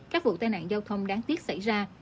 các vụ tai nạn giao thông đáng tiếc xảy ra